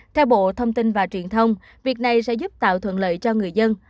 theo bộ thông tin và truyền thông việc này sẽ giúp tạo thuận lợi cho người dân